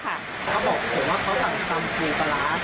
เขาบอกผมว่าเขาสั่งตำปูปลาร้า